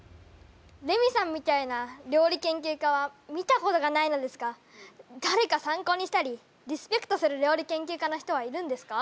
レミさんみたいな料理研究家は見たことがないのですがだれか参考にしたりリスペクトする料理研究家の人はいるんですか？